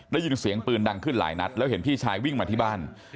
ได้ยินเสียงปืนดังขึ้นหลายนัดแล้วเห็นพี่ชายวิ่งมาที่บ้าน